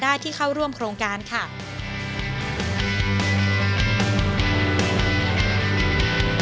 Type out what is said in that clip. วันนี้ขอบคุณพี่อมนต์มากเลยนะครับ